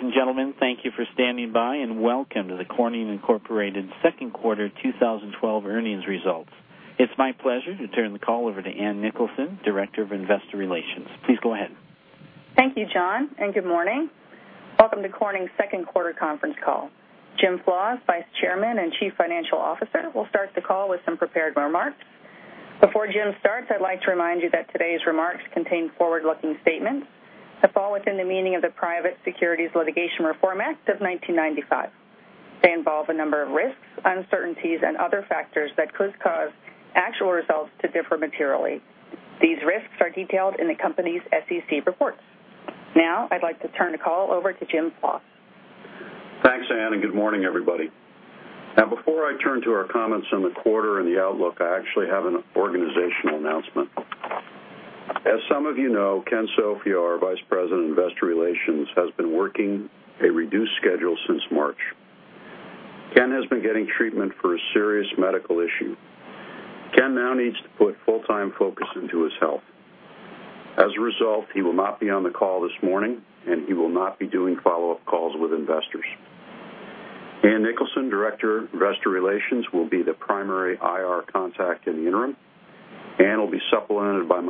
Ladies and gentlemen, thank you for standing by, and welcome to the Corning Incorporated second quarter 2012 earnings results. It's my pleasure to turn the call over to Ann Nicholson, Director of Investor Relations. Please go ahead. Thank you, John, and good morning. Welcome to Corning's second quarter conference call. Jim Flaws, Vice Chairman and Chief Financial Officer, will start the call with some prepared remarks. Before Jim starts, I'd like to remind you that today's remarks contain forward-looking statements that fall within the meaning of the Private Securities Litigation Reform Act of 1995. They involve a number of risks, uncertainties, and other factors that could cause actual results to differ materially. These risks are detailed in the company's SEC reports. I'd like to turn the call over to Jim Flaws. Thanks, Ann, and good morning, everybody. Before I turn to our comments on the quarter and the outlook, I actually have an organizational announcement. As some of you know, Ken Sofio, our Vice President of Investor Relations, has been working a reduced schedule since March. Ken has been getting treatment for a serious medical issue. Ken now needs to put full-time focus into his health. As a result, he will not be on the call this morning, and he will not be doing follow-up calls with investors. Ann Nicholson, Director of Investor Relations, will be the primary IR contact in the interim. Ann will be supplemented by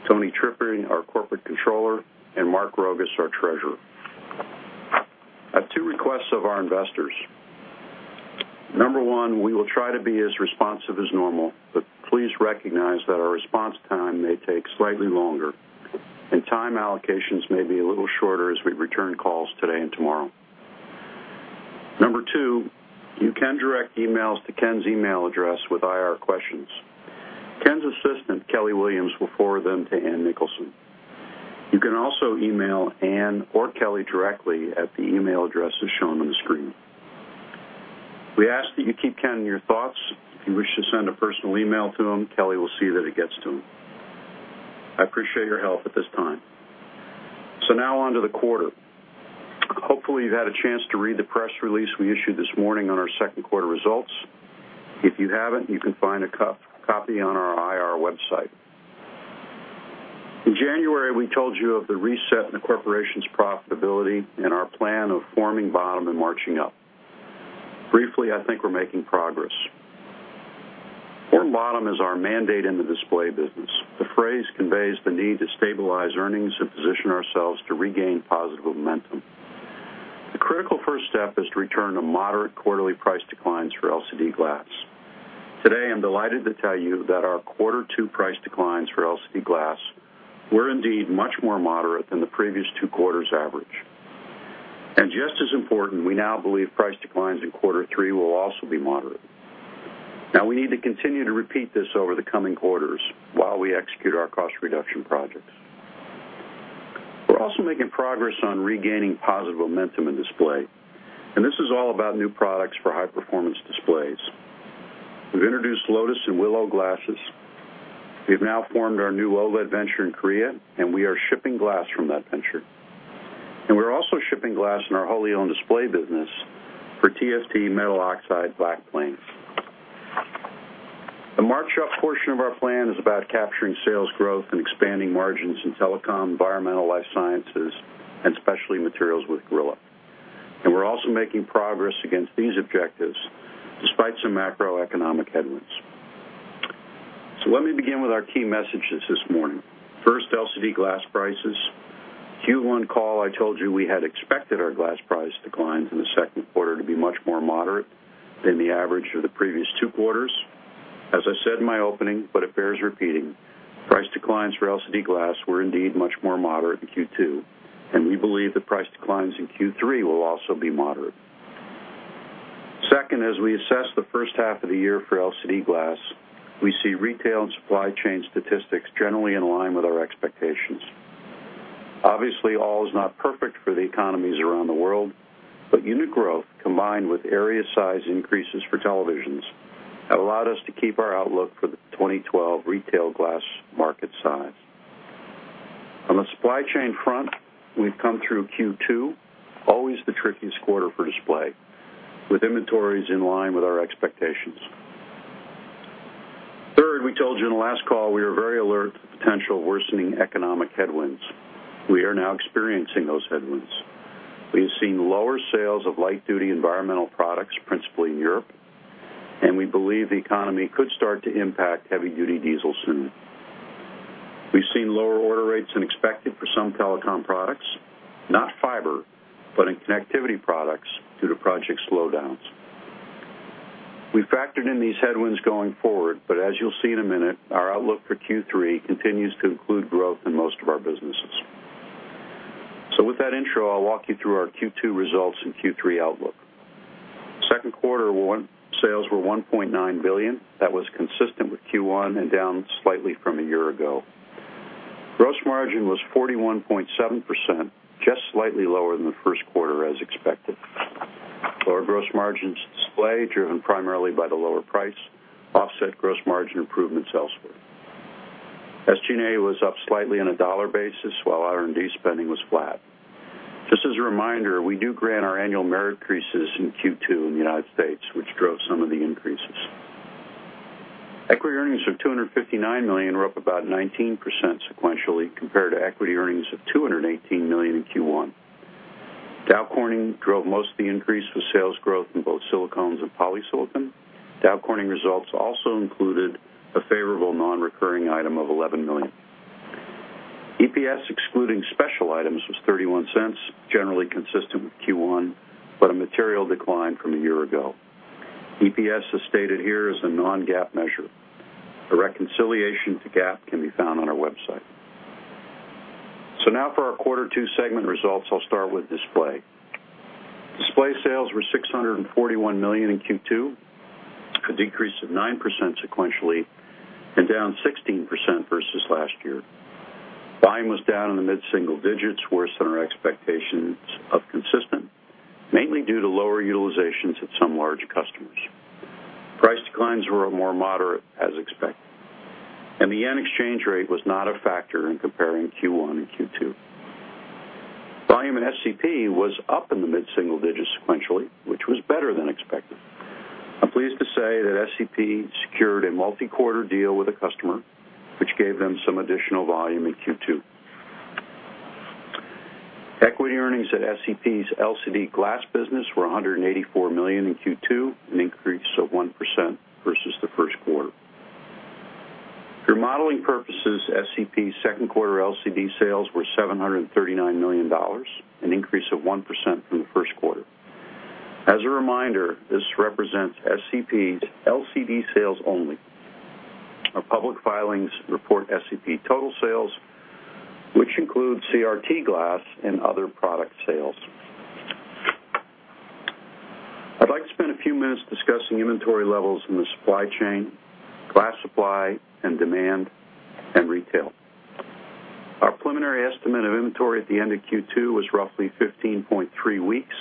myself, Tony Tripeny, our Corporate Controller, and Mark Rogus, our Treasurer. I have two requests of our investors. Number one, we will try to be as responsive as normal, but please recognize that our response time may take slightly longer, and time allocations may be a little shorter as we return calls today and tomorrow. Number two, you can direct emails to Ken's email address with IR questions. Ken's assistant, Kelly Williams, will forward them to Ann Nicholson. You can also email Ann or Kelly directly at the email addresses shown on the screen. We ask that you keep Ken in your thoughts. If you wish to send a personal email to him, Kelly will see that it gets to him. I appreciate your help at this time. On to the quarter. Hopefully, you've had a chance to read the press release we issued this morning on our second quarter results. If you haven't, you can find a copy on our IR website. In January, we told you of the reset in the corporation's profitability and our plan of forming bottom and marching up. Briefly, I think we are making progress. Form bottom is our mandate in the Display business. The phrase conveys the need to stabilize earnings and position ourselves to regain positive momentum. The critical first step is to return to moderate quarterly price declines for LCD glass. Today, I am delighted to tell you that our quarter two price declines for LCD glass were indeed much more moderate than the previous two quarters' average. Just as important, we now believe price declines in quarter three will also be moderate. We need to continue to repeat this over the coming quarters while we execute our cost reduction projects. We are also making progress on regaining positive momentum in Display, and this is all about new products for high-performance displays. We have introduced Lotus Glass and Willow Glass. We have now formed our new OLED venture in Korea, and we are shipping glass from that venture. We are also shipping glass in our wholly-owned Display business for TFT metal oxide backplanes. The march up portion of our plan is about capturing sales growth and expanding margins in Telecom, Environmental, Life Sciences, and Specialty Materials with Gorilla. We are also making progress against these objectives despite some macroeconomic headwinds. Let me begin with our key messages this morning. First, LCD glass prices. Q1 call, I told you we had expected our glass price declines in the second quarter to be much more moderate than the average of the previous two quarters. As I said in my opening, it bears repeating, price declines for LCD glass were indeed much more moderate in Q2, and we believe the price declines in Q3 will also be moderate. Second, as we assess the first half of the year for LCD glass, we see retail and supply chain statistics generally in line with our expectations. Obviously, all is not perfect for the economies around the world, but unit growth, combined with area size increases for televisions, have allowed us to keep our outlook for the 2012 retail glass market size. On the supply chain front, we have come through Q2, always the trickiest quarter for Display, with inventories in line with our expectations. Third, we told you in the last call we are very alert to potential worsening economic headwinds. We are now experiencing those headwinds. We have seen lower sales of light-duty Environmental products, principally in Europe, and we believe the economy could start to impact heavy-duty diesel soon. We have seen lower order rates than expected for some Telecom products, not fiber, but in connectivity products due to project slowdowns. We have factored in these headwinds going forward, as you will see in a minute, our outlook for Q3 continues to include growth in most of our businesses. With that intro, I will walk you through our Q2 results and Q3 outlook. Second quarter sales were $1.9 billion. That was consistent with Q1 and down slightly from a year ago. Gross margin was 41.7%, just slightly lower than the first quarter as expected. Lower gross margins Display, driven primarily by the lower price, offset gross margin improvements elsewhere. SG&A was up slightly on a dollar basis, while R&D spending was flat. Just as a reminder, we do grant our annual merit increases in Q2 in the U.S., which drove some of the increases. Equity earnings of $259 million were up about 19% sequentially, compared to equity earnings of $218 million in Q1. Dow Corning drove most of the increase with sales growth in both silicones and polysilicon. Dow Corning results also included a favorable non-recurring item of $11 million. EPS excluding special items was $0.31, generally consistent with Q1, but a material decline from a year ago. EPS as stated here is a non-GAAP measure. A reconciliation to GAAP can be found on our website. Now for our quarter two segment results, I'll start with Display. Display sales were $641 million in Q2, a decrease of 9% sequentially and down 16% versus last year. Volume was down in the mid-single digits, worse than our expectations of consistent, mainly due to lower utilizations at some large customers. Price declines were more moderate as expected, and the yen exchange rate was not a factor in comparing Q1 and Q2. Volume in SCP was up in the mid-single digits sequentially, which was better than expected. I'm pleased to say that SCP secured a multi-quarter deal with a customer, which gave them some additional volume in Q2. Equity earnings at SCP's LCD glass business were $184 million in Q2, an increase of 1% versus the first quarter. For modeling purposes, SCP's second quarter LCD sales were $739 million, an increase of 1% from the first quarter. As a reminder, this represents SCP's LCD sales only. Our public filings report SCP total sales, which includes CRT glass and other product sales. I'd like to spend a few minutes discussing inventory levels in the supply chain, glass supply and demand, and retail. Our preliminary estimate of inventory at the end of Q2 was roughly 15.3 weeks.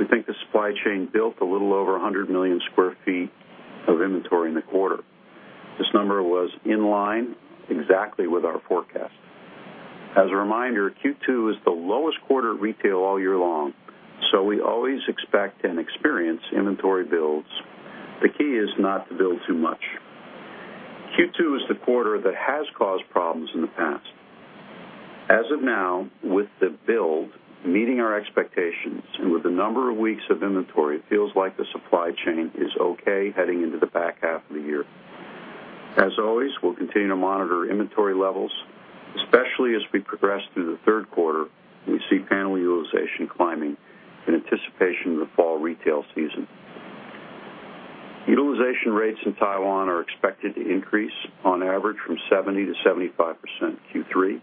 We think the supply chain built a little over 100 million sq ft of inventory in the quarter. This number was in line exactly with our forecast. As a reminder, Q2 is the lowest quarter of retail all year long, we always expect and experience inventory builds. The key is not to build too much. Q2 is the quarter that has caused problems in the past. As of now, with the build meeting our expectations and with the number of weeks of inventory, it feels like the supply chain is okay heading into the back half of the year. As always, we'll continue to monitor inventory levels, especially as we progress through the third quarter, and we see panel utilization climbing in anticipation of the fall retail season. Utilization rates in Taiwan are expected to increase on average from 70%-75% in Q3.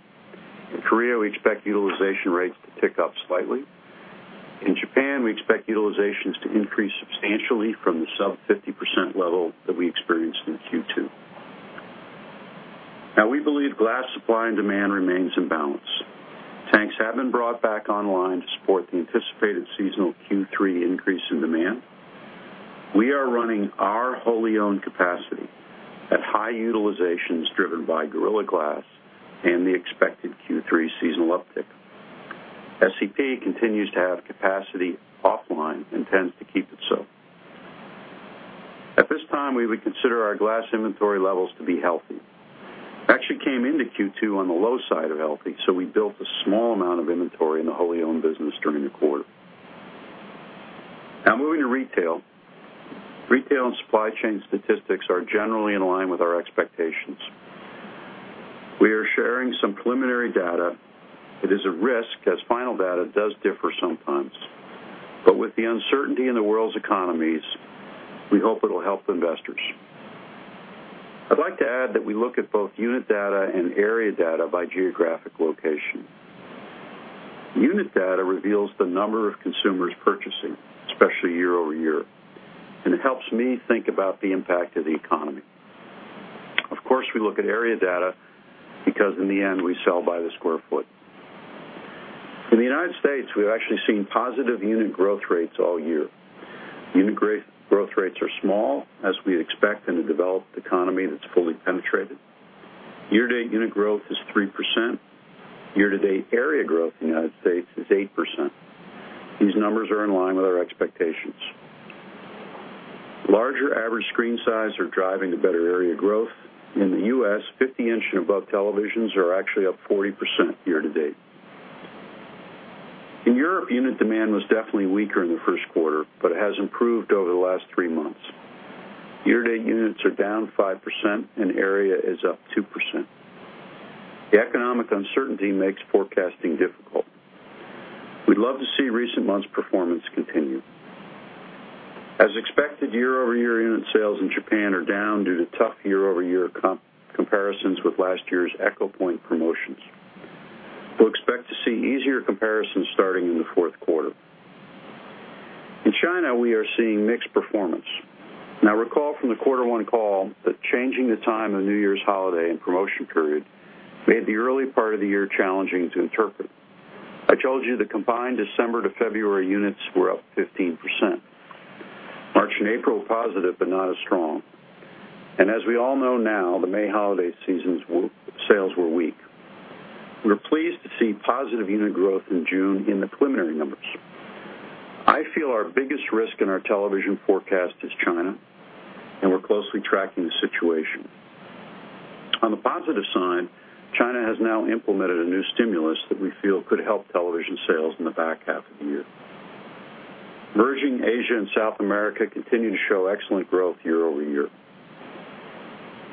In Korea, we expect utilization rates to tick up slightly. In Japan, we expect utilizations to increase substantially from the sub 50% level that we experienced in Q2. We believe glass supply and demand remains in balance. Tanks have been brought back online to support the anticipated seasonal Q3 increase in demand. We are running our wholly owned capacity at high utilizations driven by Gorilla Glass and the expected Q3 seasonal uptick. SCP continues to have capacity offline and intends to keep it so. At this time, we would consider our glass inventory levels to be healthy. Actually came into Q2 on the low side of healthy, we built a small amount of inventory in the wholly owned business during the quarter. Now moving to retail. Retail and supply chain statistics are generally in line with our expectations. We are sharing some preliminary data. It is a risk as final data does differ sometimes. With the uncertainty in the world's economies, we hope it will help investors. I'd like to add that we look at both unit data and area data by geographic location. Unit data reveals the number of consumers purchasing, especially year-over-year, and it helps me think about the impact of the economy. Of course, we look at area data because in the end, we sell by the sq ft. In the U.S., we've actually seen positive unit growth rates all year. Unit growth rates are small, as we'd expect in a developed economy that's fully penetrated. Year-to-date unit growth is 3%. Year-to-date area growth in the U.S. is 8%. These numbers are in line with our expectations. Larger average screen size are driving the better area growth. In the U.S., 50-inch and above televisions are actually up 40% year-to-date. In Europe, unit demand was definitely weaker in the first quarter, but has improved over the last three months. Year-to-date units are down 5%, and area is up 2%. The economic uncertainty makes forecasting difficult. We'd love to see recent months performance continue. As expected, year-over-year unit sales in Japan are down due to tough year-over-year comparisons with last year's Eco-Point promotions. We'll expect to see easier comparisons starting in the fourth quarter. In China, we are seeing mixed performance. Now recall from the quarter one call that changing the time of New Year's holiday and promotion period made the early part of the year challenging to interpret. I told you the combined December to February units were up 15%. March and April positive, but not as strong. As we all know now, the May holiday season's sales were weak. We're pleased to see positive unit growth in June in the preliminary numbers. I feel our biggest risk in our television forecast is China, and we're closely tracking the situation. On the positive side, China has now implemented a new stimulus that we feel could help television sales in the back half of the year. Emerging Asia and South America continue to show excellent growth year-over-year.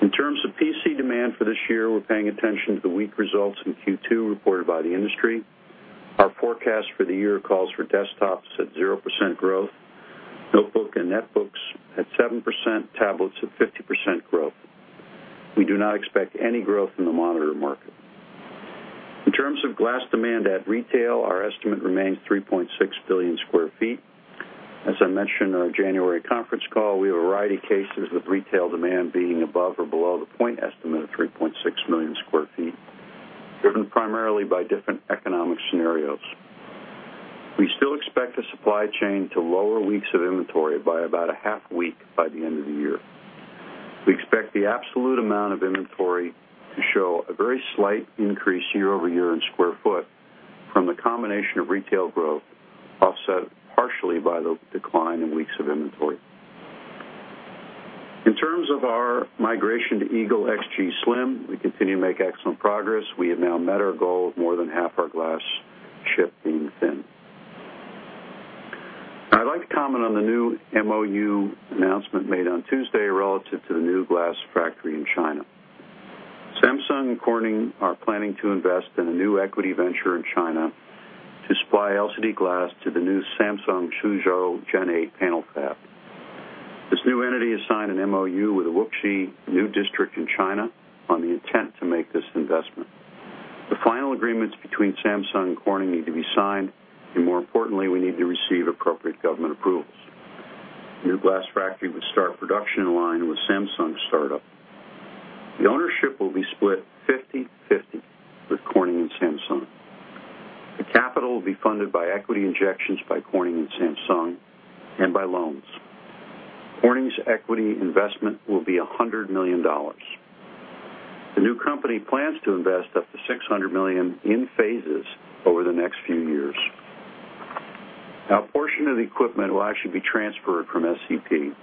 In terms of PC demand for this year, we're paying attention to the weak results in Q2 reported by the industry. Our forecast for the year calls for desktops at 0% growth, notebook and netbooks at 7%, tablets at 50% growth. We do not expect any growth in the monitor market. In terms of glass demand at retail, our estimate remains 3.6 billion sq ft. As I mentioned in our January conference call, we have a variety of cases with retail demand being above or below the point estimate of 3.6 million sq ft, driven primarily by different economic scenarios. We still expect the supply chain to lower weeks of inventory by about a half week by the end of the year. We expect the absolute amount of inventory to show a very slight increase year-over-year in sq ft from the combination of retail growth, offset partially by the decline in weeks of inventory. In terms of our migration to EAGLE XG Slim, we continue to make excellent progress. We have now met our goal of more than half our glass shipped being thin. I'd like to comment on the new MoU announcement made on Tuesday relative to the new glass factory in China. Samsung and Corning are planning to invest in a new equity venture in China to supply LCD glass to the new Samsung Suzhou Gen 8 panel fab. This new entity has signed an MoU with the Wuxi New District in China on the intent to make this investment. The final agreements between Samsung and Corning need to be signed, and more importantly, we need to receive appropriate government approvals. The new glass factory would start production in line with Samsung's startup. The ownership will be split 50/50 with Corning and Samsung. The capital will be funded by equity injections by Corning and Samsung, and by loans. Corning's equity investment will be $100 million. A portion of the equipment will actually be transferred from SCP,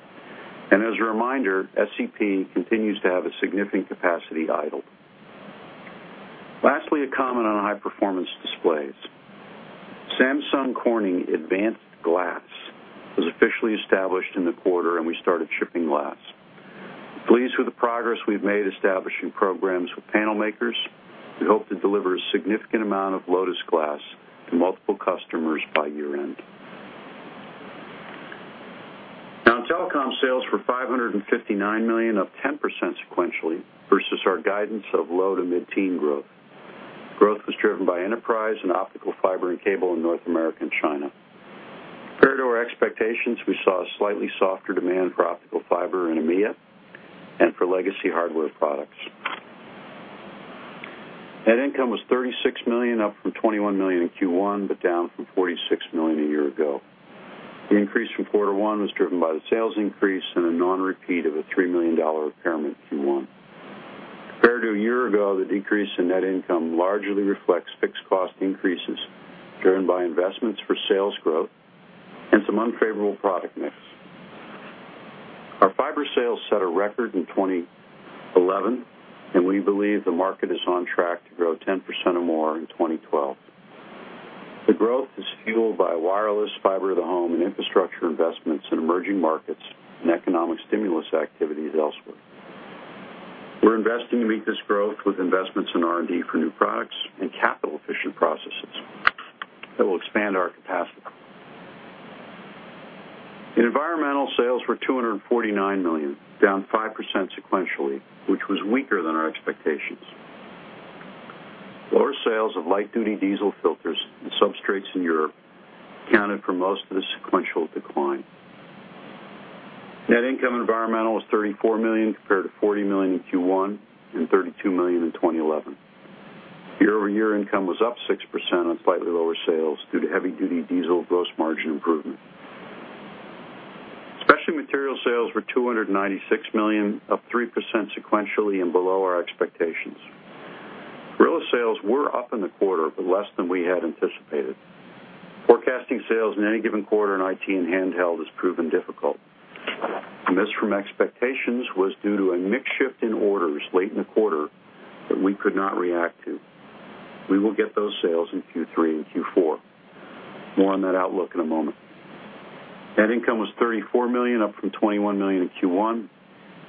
and as a reminder, SCP continues to have a significant capacity idle. To comment on high-performance displays. Samsung Corning Advanced Glass was officially established in the quarter, and we started shipping glass. Pleased with the progress we've made establishing programs with panel makers. We hope to deliver a significant amount of Lotus Glass to multiple customers by year-end. In telecom, sales were $559 million, up 10% sequentially versus our guidance of low to mid-teen growth. Growth was driven by enterprise and optical fiber and cable in North America and China. Prior to our expectations, we saw a slightly softer demand for optical fiber in EMEA and for legacy hardware products. Net income was $36 million, up from $21 million in Q1, but down from $46 million a year ago. The increase from quarter one was driven by the sales increase and a non-repeat of a $3 million impairment in Q1. Compared to a year ago, the decrease in net income largely reflects fixed cost increases driven by investments for sales growth and some unfavorable product mix. Our fiber sales set a record in 2011, and we believe the market is on track to grow 10% or more in 2012. The growth is fueled by wireless fiber to the home and infrastructure investments in emerging markets and economic stimulus activities elsewhere. We're investing to meet this growth with investments in R&D for new products and capital-efficient processes that will expand our capacity. In environmental, sales were $249 million, down 5% sequentially, which was weaker than our expectations. Lower sales of light-duty diesel filters and substrates in Europe accounted for most of the sequential decline. Net income environmental was $34 million, compared to $40 million in Q1 and $32 million in 2011. Year-over-year income was up 6% on slightly lower sales due to heavy-duty diesel gross margin improvement. Specialty materials sales were $296 million, up 3% sequentially and below our expectations. Gorilla sales were up in the quarter, but less than we had anticipated. Forecasting sales in any given quarter in IT and handheld has proven difficult. The miss from expectations was due to a mix shift in orders late in the quarter that we could not react to. We will get those sales in Q3 and Q4. More on that outlook in a moment. Net income was $34 million, up from $21 million in Q1.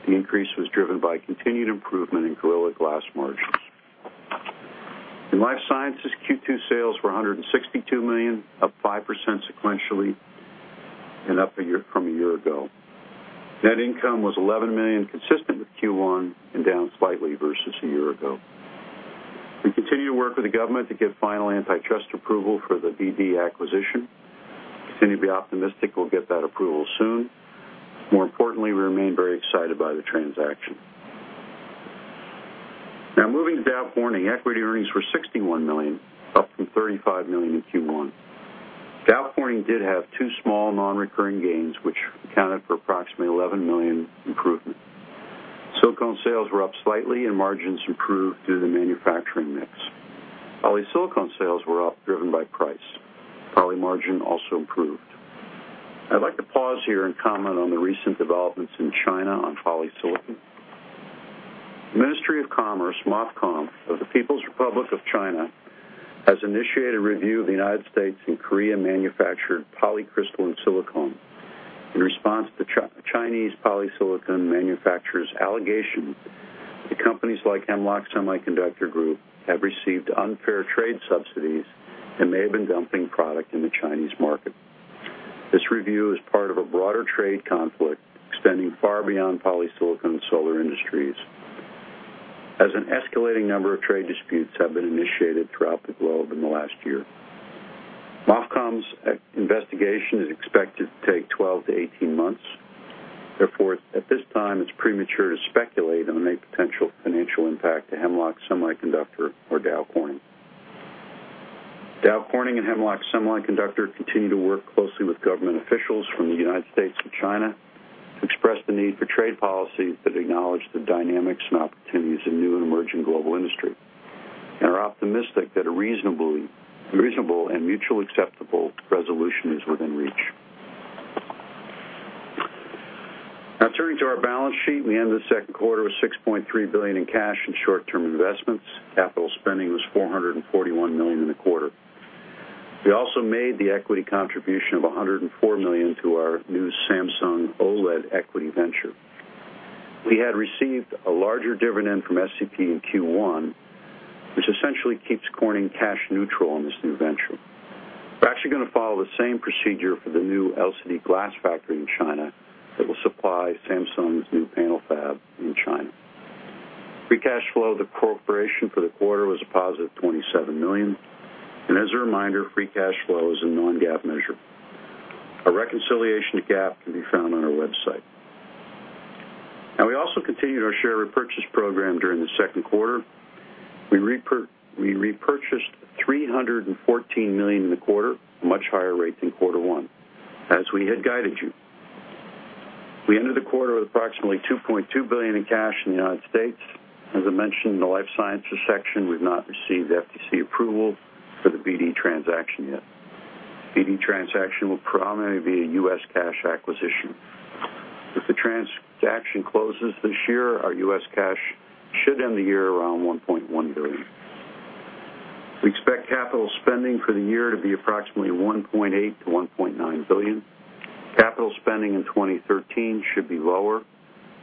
The increase was driven by continued improvement in Gorilla Glass margins. In life sciences, Q2 sales were $162 million, up 5% sequentially and up from a year ago. Net income was $11 million, consistent with Q1, and down slightly versus a year ago. We continue to work with the government to get final antitrust approval for the BD acquisition. Continue to be optimistic we'll get that approval soon. More importantly, we remain very excited by the transaction. Now moving to Dow Corning. Equity earnings were $61 million, up from $35 million in Q1. Dow Corning did have two small non-recurring gains, which accounted for approximately $11 million improvement. Silicone sales were up slightly and margins improved through the manufacturing mix. Polysilicon sales were up, driven by price. Poly margin also improved. I'd like to pause here and comment on the recent developments in China on polysilicone. The Ministry of Commerce, MOFCOM, of the People's Republic of China has initiated review of the U.S. and Korean-manufactured polycrystalline silicon in response to Chinese polysilicone manufacturer's allegations that companies like Hemlock Semiconductor Group have received unfair trade subsidies and may have been dumping product in the Chinese market. This review is part of a broader trade conflict extending far beyond polysilicone and solar industries, as an escalating number of trade disputes have been initiated throughout the globe in the last year. MOFCOM's investigation is expected to take 12 to 18 months, therefore, at this time it's premature to speculate on any potential financial impact to Hemlock Semiconductor or Dow Corning. Dow Corning and Hemlock Semiconductor continue to work closely with government officials from the U.S. and China to express the need for trade policies that acknowledge the dynamics and opportunities in new and emerging global industry, and are optimistic that a reasonable and mutually acceptable resolution is within reach. Now turning to our balance sheet. We end the second quarter with $6.3 billion in cash and short-term investments. Capital spending was $441 million in the quarter. We also made the equity contribution of $104 million to our new Samsung OLED equity venture. We had received a larger dividend from SCP in Q1, which essentially keeps Corning cash neutral on this new venture. We're actually going to follow the same procedure for the new LCD glass factory in China that will supply Samsung's new panel fab in China. Free cash flow of the corporation for the quarter was a positive $27 million. As a reminder, free cash flow is a non-GAAP measure. A reconciliation to GAAP can be found on our website. We also continued our share repurchase program during the second quarter. We repurchased $314 million in the quarter, a much higher rate than Q1, as we had guided you. We ended the quarter with approximately $2.2 billion in cash in the U.S. As I mentioned in the life sciences section, we've not received FTC approval for the BD transaction yet. BD transaction will primarily be a U.S. cash acquisition. If the transaction closes this year, our U.S. cash should end the year around $1.1 billion. We expect capital spending for the year to be approximately $1.8 billion-$1.9 billion. Capital spending in 2013 should be lower,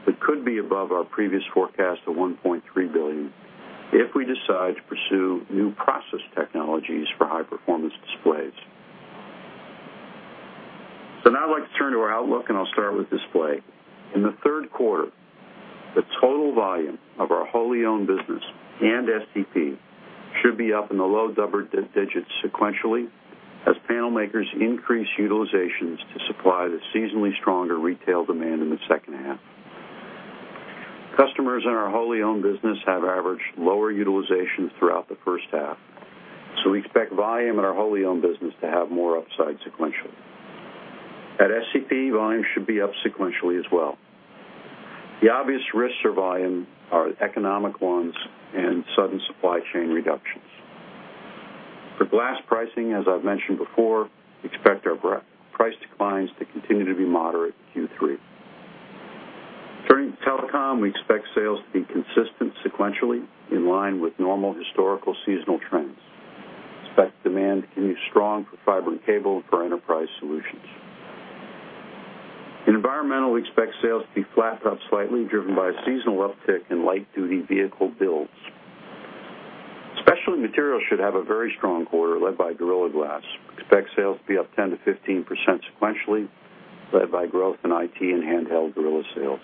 but could be above our previous forecast of $1.3 billion if we decide to pursue new process technologies for high-performance displays. I'd like to turn to our outlook, and I'll start with display. In the third quarter, the total volume of our wholly owned business and SCP should be up in the low double digits sequentially as panel makers increase utilizations to supply the seasonally stronger retail demand in the second half. Customers in our wholly owned business have averaged lower utilization throughout the first half. We expect volume in our wholly owned business to have more upside sequentially. At SCP, volume should be up sequentially as well. The obvious risks to volume are economic ones and sudden supply chain reductions. For glass pricing, as I've mentioned before, we expect our price declines to continue to be moderate in Q3. Turning to Telecom, we expect sales to be consistent sequentially in line with normal historical seasonal trends. Expect demand to continue strong for fiber and cable and for enterprise solutions. In Environmental, we expect sales to be flat to up slightly, driven by a seasonal uptick in light-duty vehicle builds. Specialty Materials should have a very strong quarter led by Gorilla Glass. We expect sales to be up 10%-15% sequentially, led by growth in IT and handheld Gorilla sales.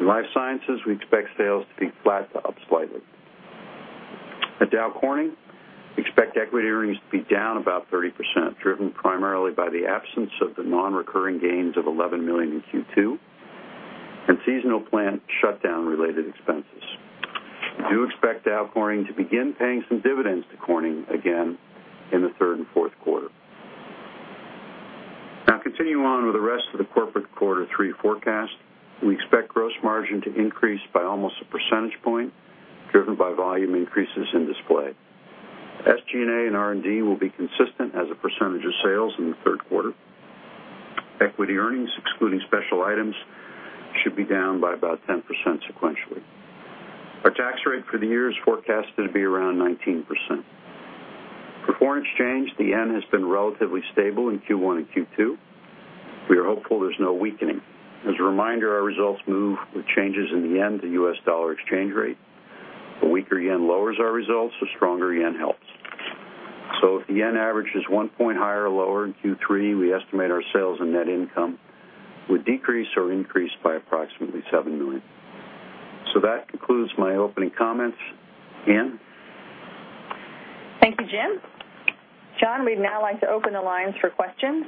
In Life Sciences, we expect sales to be flat to up slightly. At Dow Corning, we expect equity earnings to be down about 30%, driven primarily by the absence of the non-recurring gains of $11 million in Q2 and seasonal plant shutdown-related expenses. We do expect Dow Corning to begin paying some dividends to Corning again in the third and fourth quarter. Continuing on with the rest of the corporate quarter three forecast. We expect gross margin to increase by almost a percentage point, driven by volume increases in display. SG&A and R&D will be consistent as a percentage of sales in the third quarter. Equity earnings, excluding special items, should be down by about 10% sequentially. Our tax rate for the year is forecasted to be around 19%. For foreign exchange, the yen has been relatively stable in Q1 and Q2. We are hopeful there's no weakening. As a reminder, our results move with changes in the yen to US dollar exchange rate. A weaker yen lowers our results, a stronger yen helps. If the yen averages one point higher or lower in Q3, we estimate our sales and net income would decrease or increase by approximately $7 million. That concludes my opening comments. Ann? Thank you, Jim. John, we'd now like to open the lines for questions.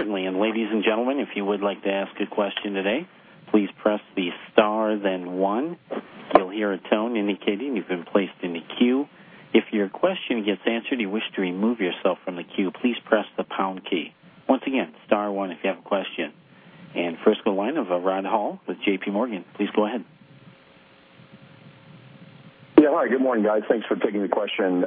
Certainly. Ladies and gentlemen, if you would like to ask a question today, please press the star then one. You'll hear a tone indicating you've been placed in the queue. If your question gets answered and you wish to remove yourself from the queue, please press the Key. Once again, star one if you have a question. First the line of Rod Hall with JP Morgan. Please go ahead. Hi. Good morning, guys. Thanks for taking the question.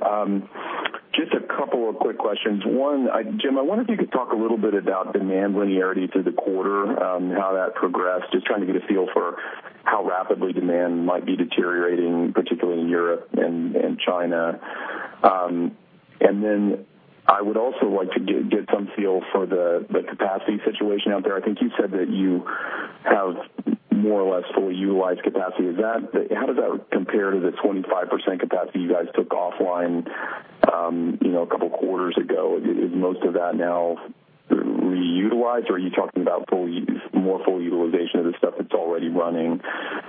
Just a couple of quick questions. One, Jim, I wonder if you could talk a little bit about demand linearity through the quarter, how that progressed. Just trying to get a feel for how rapidly demand might be deteriorating, particularly in Europe and China. Then I would also like to get some feel for the capacity situation out there. I think you said that you have more or less fully utilized capacity. How does that compare to the 25% capacity you guys took offline a couple of quarters ago? Is most of that now reutilized, or are you talking about more full utilization of the stuff that's already running?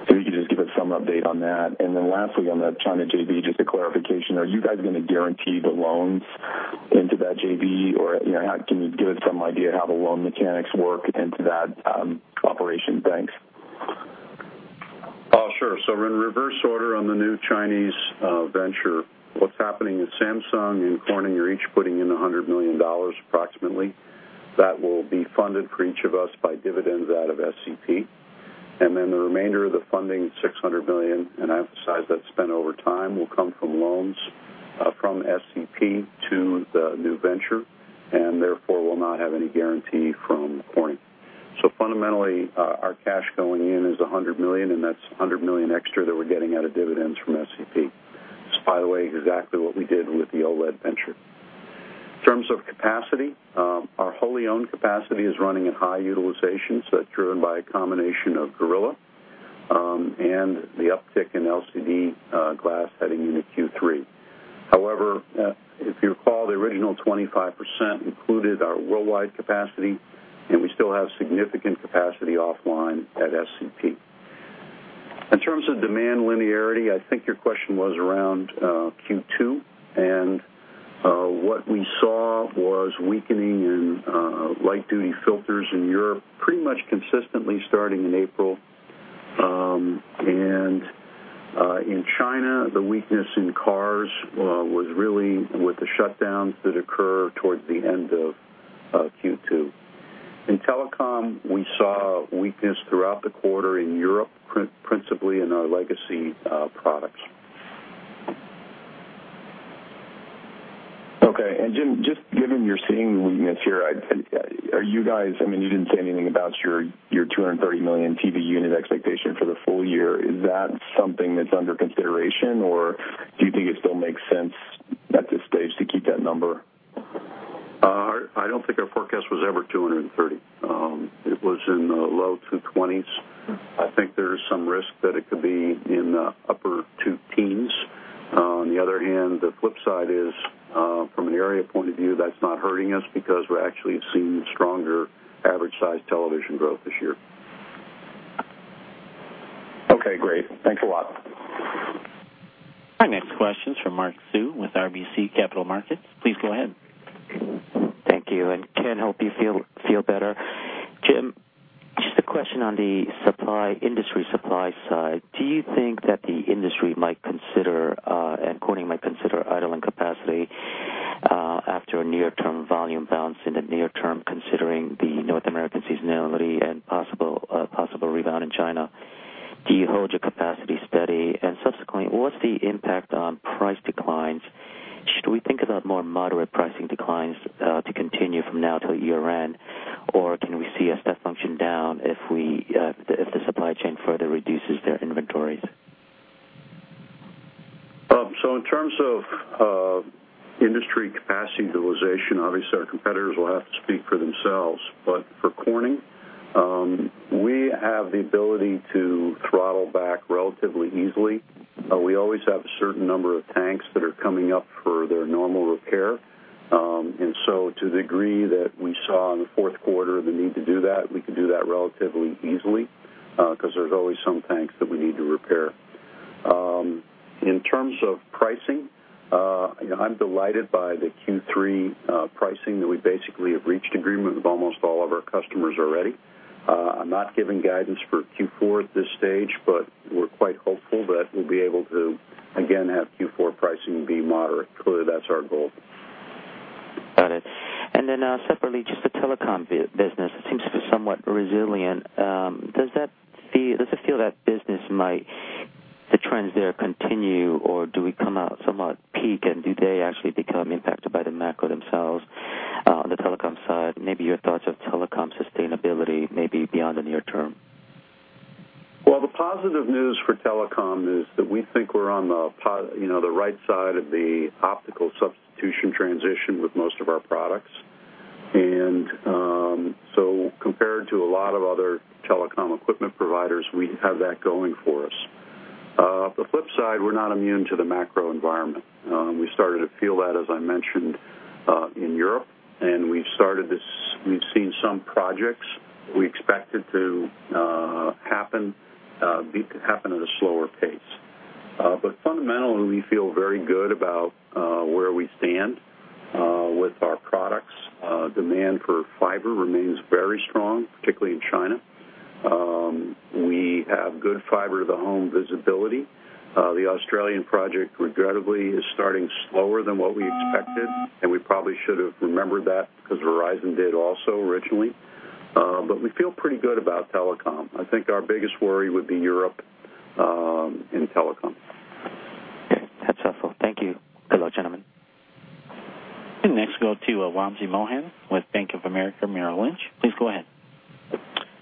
If you could just give us some update on that. Lastly, on the China JV, just a clarification. Are you guys going to guarantee the loans into that JV? Can you give some idea how the loan mechanics work into that operation? Thanks. In reverse order on the new Chinese venture, what's happening is Samsung and Corning are each putting in $100 million approximately. That will be funded for each of us by dividends out of SCP. The remainder of the funding, $600 million, and I emphasize that's spent over time, will come from loans from SCP to the new venture, and therefore will not have any guarantee from Corning. Fundamentally, our cash going in is $100 million, and that's $100 million extra that we're getting out of dividends from SCP. It's, by the way, exactly what we did with the OLED venture. In terms of capacity, our wholly owned capacity is running at high utilization, that's driven by a combination of Gorilla and the uptick in LCD glass heading into Q3. However, if you recall, the original 25% included our worldwide capacity, and we still have significant capacity offline at SCP. In terms of demand linearity, I think your question was around Q2, what we saw was weakening in light-duty filters in Europe, pretty much consistently starting in April. In China, the weakness in cars was really with the shutdowns that occur towards the end of Q2. In telecom, we saw weakness throughout the quarter in Europe, principally in our legacy products. Okay. Jim, just given you're seeing weakness here, you didn't say anything about your 230 million TV unit expectation for the full year. Is that something that's under consideration, or do you think it still makes sense at this stage to keep that number? I don't think our forecast was ever 230. It was in the low 220s. I think there is some risk that it could be in the upper two teens. On the other hand, the flip side is, from an area point of view, that's not hurting us because we're actually seeing stronger average size television growth this year. Okay, great. Thanks a lot. Our next question's from Mark Sue with RBC Capital Markets. Please go ahead. Thank you, Ken, hope you feel better. Jim, just a question on the industry supply side. Do you think that the industry might consider, and Corning might consider, idling capacity after a near-term volume bounce in the near term, considering the North American seasonality and possible rebound in China? Do you hold your capacity steady? Subsequently, what's the impact on price declines? Should we think about more moderate pricing declines to continue from now till year-end, or can we see a step function down if the supply chain further reduces their inventories? In terms of industry capacity utilization, obviously, our competitors will have to speak for themselves. For Corning, we have the ability to throttle back relatively easily. We always have a certain number of tanks that are coming up for their normal repair. To the degree that we saw in the fourth quarter the need to do that, we can do that relatively easily, because there's always some tanks that we need to repair. In terms of pricing, I'm delighted by the Q3 pricing, that we basically have reached agreement with almost all of our customers already. I'm not giving guidance for Q4 at this stage, but we're quite hopeful that we'll be able to, again, have Q4 pricing be moderate. Clearly, that's our goal. Got it. Separately, just the telecom business, it seems to be somewhat resilient. Does it feel that business, the trends there continue, or do we come out somewhat peak, and do they actually become impacted by the macro themselves on the telecom side? Maybe your thoughts on telecom sustainability, maybe beyond the near term. The positive news for telecom is that we think we're on the right side of the optical substitution transition with most of our products. Compared to a lot of other telecom equipment providers, we have that going for us. The flip side, we're not immune to the macro environment. We started to feel that, as I mentioned, in Europe, and we've seen some projects we expected to happen at a slower pace. Fundamentally, we feel very good about where we stand with our products. Demand for fiber remains very strong, particularly in China. We have good fiber-to-the-home visibility. The Australian project, regrettably, is starting slower than what we expected, and we probably should have remembered that because Verizon did also originally. We feel pretty good about telecom. I think our biggest worry would be Europe in telecom. Okay. That's helpful. Thank you. Good luck, gentlemen. Next, we go to Wamsi Mohan with Bank of America Merrill Lynch. Please go ahead.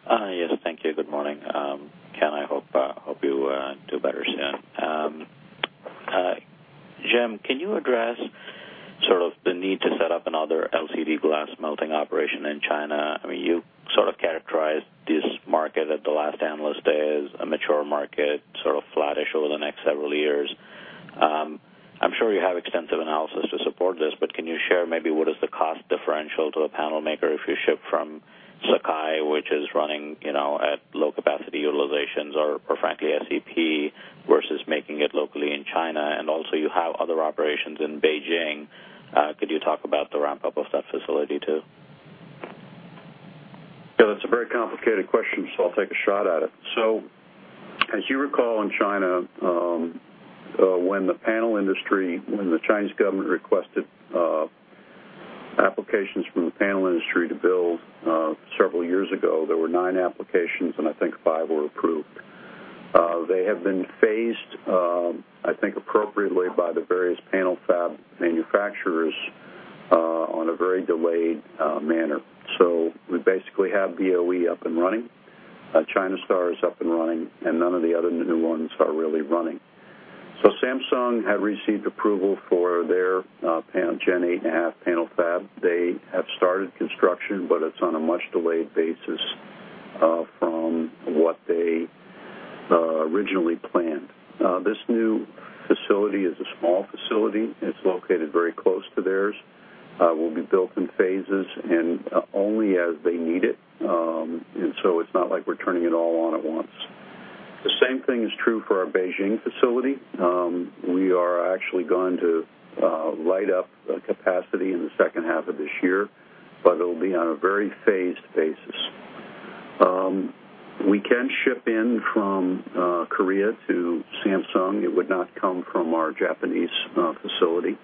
Yes. Thank you. Good morning. Ken, I hope you do better soon. Jim, can you address the need to set up another LCD glass melting operation in China? You characterized this market at the last Analyst Day as a mature market, sort of flattish over the next several years. I'm sure you have extensive analysis to support this, but can you share maybe what is the cost differential to a panel maker if you ship from Sakai, which is running at low capacity utilizations or frankly, SCP versus making it locally in China? Also you have other operations in Beijing. Could you talk about the ramp-up of that facility, too? Yeah, that's a very complicated question, so I'll take a shot at it. As you recall, in China, when the Chinese government requested applications from the panel industry to build several years ago, there were nine applications, and I think five were approved. They have been phased, I think, appropriately by the various panel fab manufacturers on a very delayed manner. We basically have BOE up and running. China Star is up and running, and none of the other new ones are really running. Samsung had received approval for their Gen 8.5 panel fab. They have started construction, but it's on a much-delayed basis from what they originally planned. This new facility is a small facility. It's located very close to theirs. Will be built in phases and only as they need it. It's not like we're turning it all on at once. The same thing is true for our Beijing facility. We are actually going to light up capacity in the second half of this year, it'll be on a very phased basis. We can ship in from Korea to Samsung. It would not come from our Japanese facility.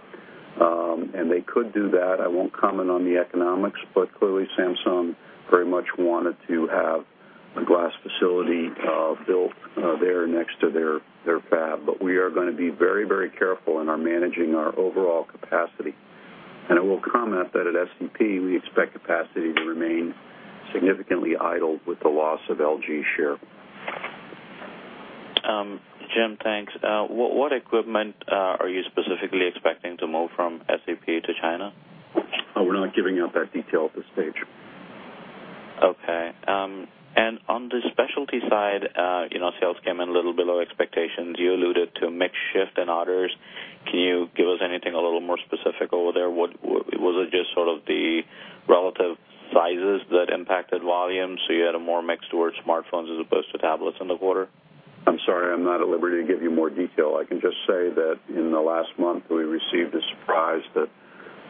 They could do that. I won't comment on the economics, clearly, Samsung very much wanted to have a glass facility built there next to their fab. We are going to be very careful in our managing our overall capacity. I will comment that at SCP, we expect capacity to remain significantly idled with the loss of LG share. Jim, thanks. What equipment are you specifically expecting to move from SCP to China? Oh, we're not giving out that detail at this stage. Okay. On the specialty side, sales came in a little below expectations. You alluded to mix shift and others. Can you give us anything a little more specific over there? Was it just the relative sizes that impacted volume, so you had a more mix toward smartphones as opposed to tablets in the quarter? I'm sorry. I'm not at liberty to give you more detail. I can just say that in the last month, we received a surprise that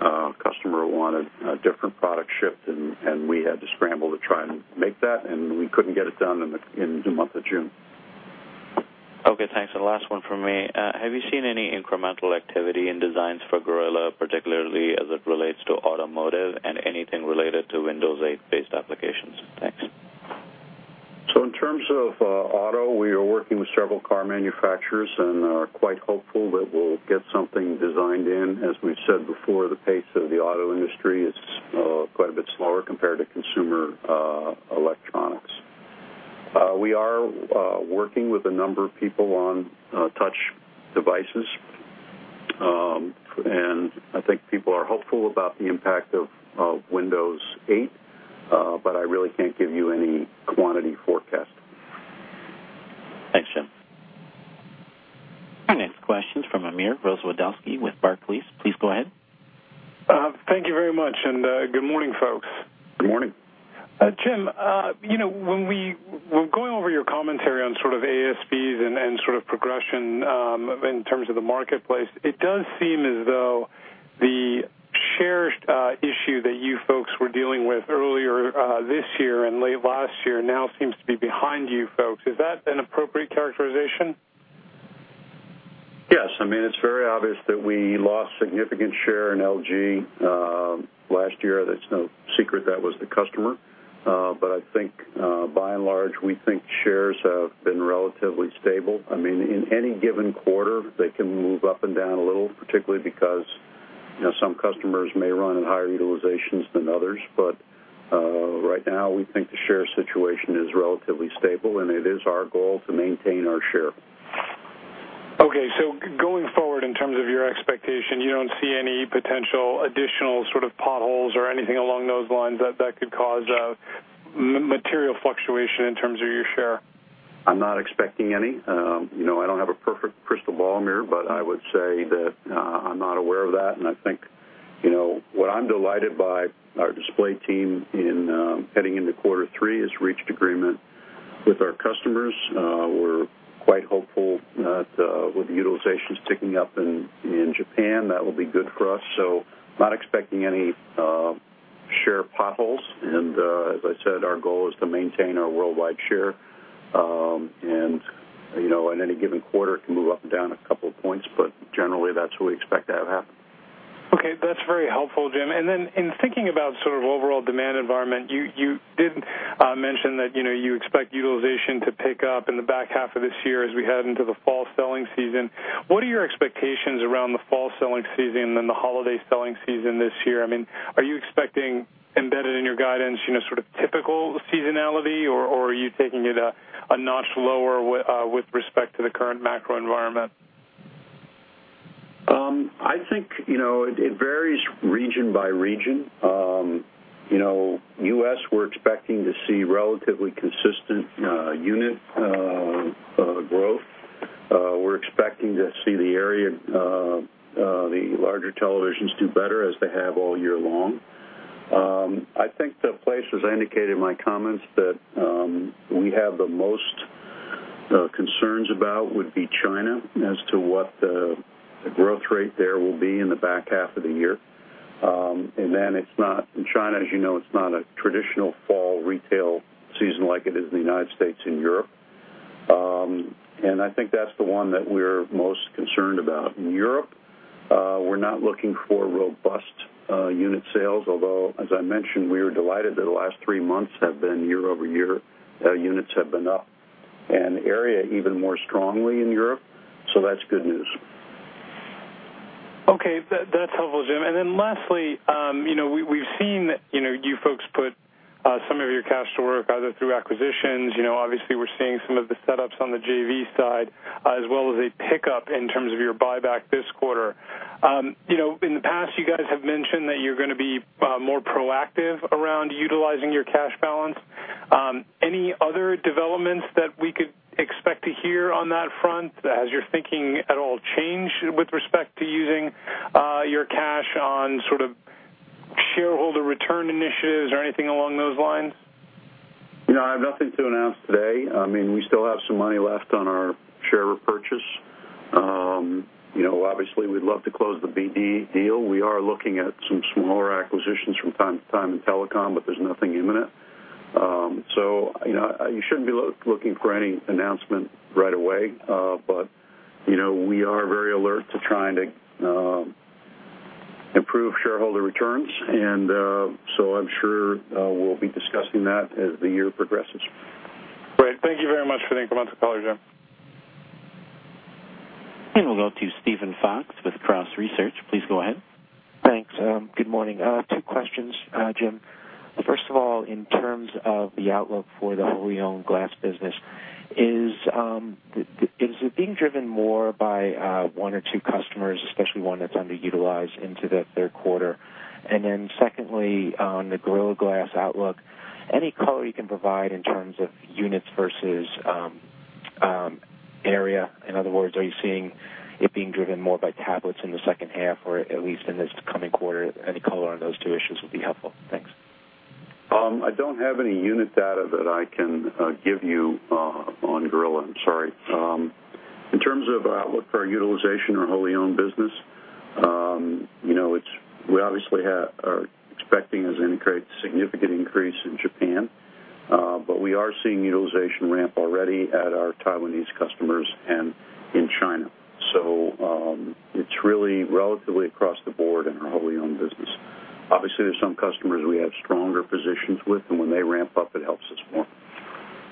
a customer wanted a different product shipped, and we had to scramble to try and make that, and we couldn't get it done in the month of June. Okay, thanks. Last one from me. Have you seen any incremental activity in designs for Gorilla, particularly as it relates to automotive and anything related to Windows 8-based applications? Thanks. In terms of auto, we are working with several car manufacturers and are quite hopeful that we'll get something designed in. As we've said before, the pace of the auto industry is quite a bit slower compared to consumer electronics. We are working with a number of people on touch devices. I think people are hopeful about the impact of Windows 8, but I really can't give you any quantity forecast. Thanks, Jim. Our next question's from Amir Rozwadowski with Barclays. Please go ahead. Thank you very much, good morning, folks. Good morning. Jim, when going over your commentary on ASPs and progression in terms of the marketplace, it does seem as though the share issue that you folks were dealing with earlier this year and late last year now seems to be behind you folks. Is that an appropriate characterization? Yes. It's very obvious that we lost significant share in LG last year. That's no secret that was the customer. I think by and large, we think shares have been relatively stable. In any given quarter, they can move up and down a little, particularly because some customers may run at higher utilizations than others. Right now, we think the share situation is relatively stable, and it is our goal to maintain our share. Okay, going forward in terms of your expectation, you don't see any potential additional potholes or anything along those lines that could cause material fluctuation in terms of your share? I'm not expecting any. I don't have a perfect crystal ball, Amir, but I would say that I'm not aware of that, and I think what I'm delighted by our Display team in heading into quarter three has reached agreement with our customers. Hopeful that with the utilization sticking up in Japan, that will be good for us. Not expecting any share potholes and, as I said, our goal is to maintain our worldwide share. In any given quarter, it can move up and down a couple of points, but generally that's what we expect to have happen. Okay. That's very helpful, Jim. Then in thinking about sort of overall demand environment, you did mention that you expect utilization to pick up in the back half of this year as we head into the fall selling season. What are your expectations around the fall selling season and the holiday selling season this year? Are you expecting embedded in your guidance, sort of typical seasonality, or are you taking it a notch lower with respect to the current macro environment? I think it varies region by region. U.S., we're expecting to see relatively consistent unit growth. We're expecting to see the larger televisions do better as they have all year long. I think the place, as I indicated in my comments, that we have the most concerns about would be China as to what the growth rate there will be in the back half of the year. Then in China, as you know, it's not a traditional fall retail season like it is in the United States and Europe. I think that's the one that we're most concerned about. In Europe, we're not looking for robust unit sales, although, as I mentioned, we are delighted that the last three months have been year-over-year, units have been up and area even more strongly in Europe. That's good news. Okay. That's helpful, Jim. Then lastly, we've seen you folks put some of your cash to work either through acquisitions, obviously we're seeing some of the setups on the JV side as well as a pickup in terms of your buyback this quarter. In the past, you guys have mentioned that you're going to be more proactive around utilizing your cash balance. Any other developments that we could expect to hear on that front as you're thinking at all change with respect to using your cash on sort of shareholder return initiatives or anything along those lines? I have nothing to announce today. We still have some money left on our share repurchase. Obviously, we'd love to close the BD deal. We are looking at some smaller acquisitions from time to time in telecom, but there's nothing imminent. You shouldn't be looking for any announcement right away. We are very alert to trying to improve shareholder returns, and so I'm sure we'll be discussing that as the year progresses. Great. Thank you very much for the incremental color, Jim. We'll go to Steven Fox with Cross Research. Please go ahead. Thanks. Good morning. Two questions, Jim. First of all, in terms of the outlook for the wholly owned glass business, is it being driven more by one or two customers, especially one that's underutilized into the third quarter? Then secondly, on the Gorilla Glass outlook, any color you can provide in terms of units versus area? In other words, are you seeing it being driven more by tablets in the second half or at least in this coming quarter? Any color on those two issues would be helpful. Thanks. I don't have any unit data that I can give you on Gorilla, I'm sorry. In terms of outlook for our utilization or wholly owned business, we obviously are expecting a significant increase in Japan, but we are seeing utilization ramp already at our Taiwanese customers and in China. It's really relatively across the board in our wholly owned business. Obviously, there's some customers we have stronger positions with, and when they ramp up, it helps us more.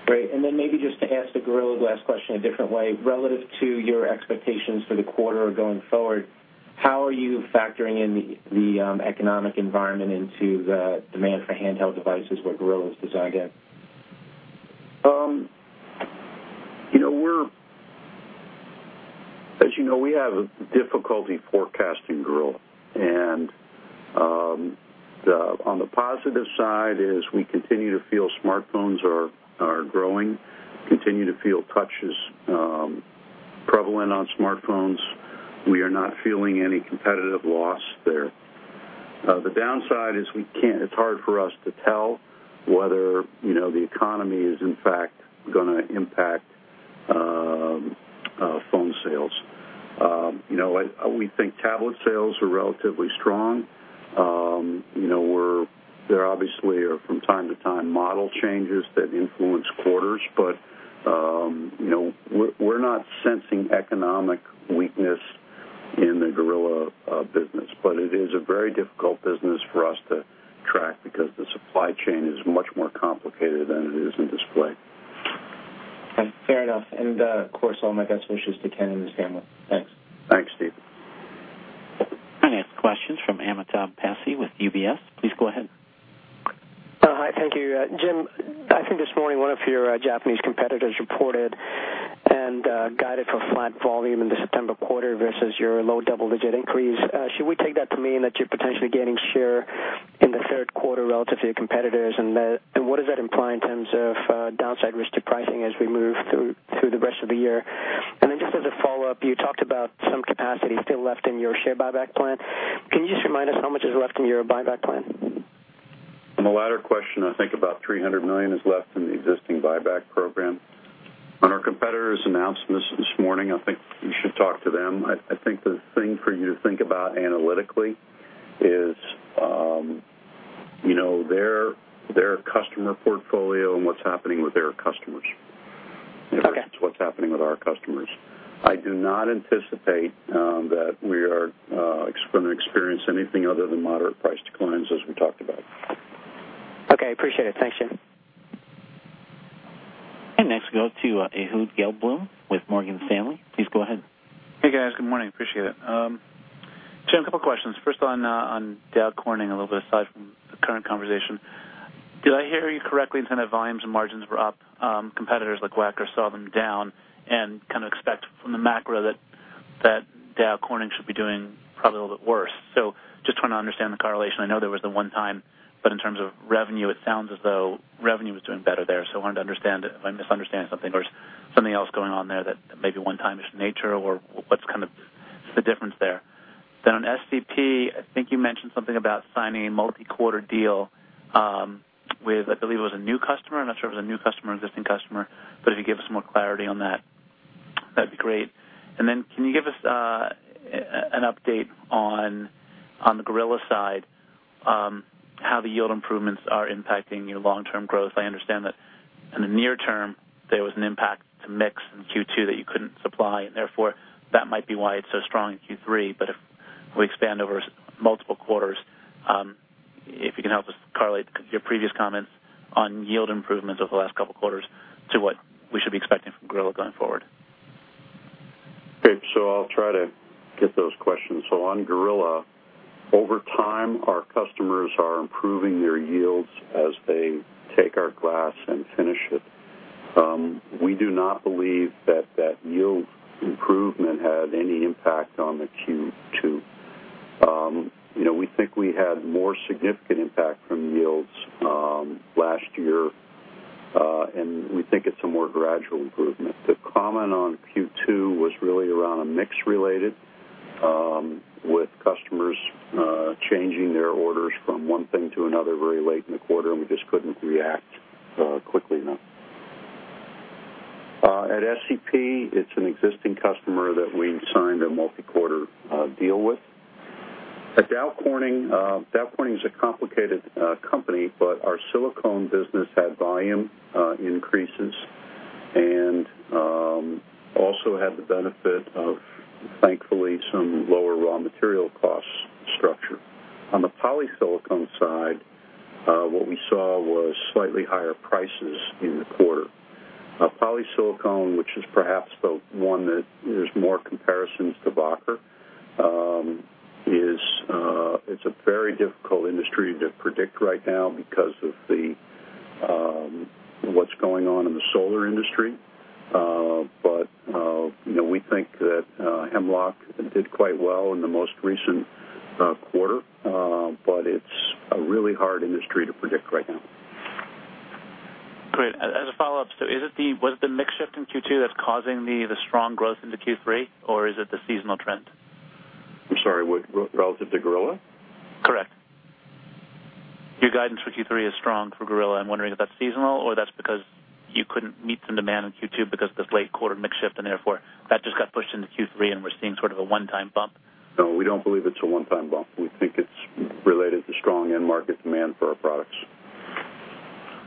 Great. Maybe just to ask the Gorilla Glass question a different way, relative to your expectations for the quarter or going forward, how are you factoring in the economic environment into the demand for handheld devices where Gorilla is designed in? As you know, we have a difficulty forecasting Gorilla. On the positive side is we continue to feel smartphones are growing, continue to feel touch is prevalent on smartphones. We are not feeling any competitive loss there. The downside is it's hard for us to tell whether the economy is in fact going to impact phone sales. We think tablet sales are relatively strong. There obviously are from time to time model changes that influence quarters, but we're not sensing economic weakness in the Gorilla business. It is a very difficult business for us to track because the supply chain is much more complicated than it is in display. Okay. Fair enough. Of course, all my best wishes to Ken and his family. Thanks. Thanks, Steve. Our next question's from Amit Passi with UBS. Please go ahead. Hi. Thank you. Jim, I think this morning one of your Japanese competitors reported and guided for flat volume in the September quarter versus your low double-digit increase. Should we take that to mean that you're potentially gaining share in the third quarter relative to your competitors, and what does that imply in terms of downside risk to pricing as we move through the rest of the year? Then just as a follow-up, you talked about some capacity still left in your share buyback plan. Can you just remind us how much is left in your buyback plan? I think about $300 million is left in the existing buyback program. On our competitor's announcement this morning, I think you should talk to them. I think the thing for you to think about analytically is their customer portfolio and what's happening with their customers. Okay. If it's what's happening with our customers. I do not anticipate that we are going to experience anything other than moderate price declines, as we talked about. Okay. Appreciate it. Thanks, Jim. Next we go to Ehud Gelblum with Morgan Stanley. Please go ahead. Hey, guys. Good morning. Appreciate it. Jim, couple questions. First on Dow Corning, a little bit aside from the current conversation. Did I hear you correctly in terms of volumes and margins were up, competitors like Wacker saw them down, and kind of expect from the macro that Dow Corning should be doing probably a little bit worse. Just trying to understand the correlation. I know there was the one time, but in terms of revenue, it sounds as though revenue was doing better there. I wanted to understand if I'm misunderstanding something or something else going on there that may be one-time-ish in nature or what's kind of the difference there? On SCP, I think you mentioned something about signing a multi-quarter deal with, I believe it was a new customer. I'm not sure if it was a new customer or existing customer, but if you could give us more clarity on that'd be great. Can you give us an update on the Gorilla side, how the yield improvements are impacting your long-term growth? I understand that in the near term there was an impact to mix in Q2 that you couldn't supply and therefore that might be why it's so strong in Q3. If we expand over multiple quarters, if you can help us correlate your previous comments on yield improvements over the last couple of quarters to what we should be expecting from Gorilla going forward. I'll try to get those questions. On Gorilla, over time, our customers are improving their yields as they take our glass and finish it. We do not believe that that yield improvement had any impact on the Q2. We think we had more significant impact from yields last year, and we think it's a more gradual improvement. The comment on Q2 was really around a mix related, with customers changing their orders from one thing to another very late in the quarter. We just couldn't react quickly enough. At SCP, it's an existing customer that we signed a multi-quarter deal with. At Dow Corning, Dow Corning is a complicated company, but our silicone business had volume increases. Also had the benefit of, thankfully, some lower raw material cost structure. On the polysilicone side, what we saw was slightly higher prices in the quarter. Polysilicone, which is perhaps the one that there's more comparisons to Wacker, it's a very difficult industry to predict right now because of what's going on in the solar industry. We think that Hemlock did quite well in the most recent quarter. It's a really hard industry to predict right now. Great. As a follow-up, was it the mix shift in Q2 that's causing the strong growth into Q3, or is it the seasonal trend? I'm sorry, what relative to Gorilla? Correct. Your guidance for Q3 is strong for Gorilla. I'm wondering if that's seasonal or that's because you couldn't meet the demand in Q2 because of this late quarter mix shift and therefore that just got pushed into Q3 and we're seeing sort of a one-time bump. No, we don't believe it's a one-time bump. We think it's related to strong end market demand for our products.